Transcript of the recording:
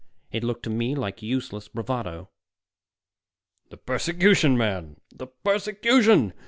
It looked to me like useless bravado." "The persecution, man, the persecution!